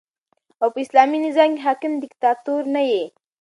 او په اسلامي نظام کښي حاکم دیکتاتور نه يي.